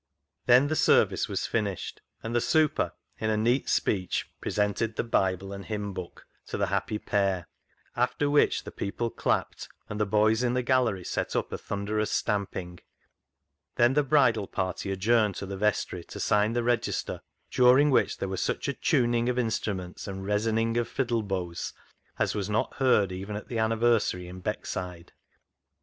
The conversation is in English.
Then the service was finished, and the " super," in a neat speech, presented the Bible and Hymn Book to the happy pair, after which the people clapped, and the boys in the gallery set up a thunderous stamping. Then the bridal party adjourned to the vestry to sign the register, during which there was such a tuning of instruments and resining of fiddle bows as was not heard even at the anniversary in Beckside.